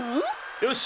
よし！